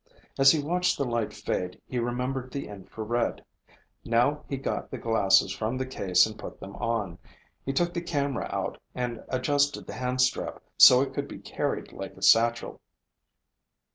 As he watched the light fade, he remembered the infrared. Now he got the glasses from the case and put them on. He took the camera out and adjusted the handstrap so it could be carried like a satchel.